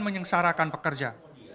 pada hari ini garita